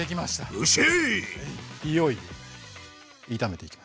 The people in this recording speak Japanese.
よっしゃ！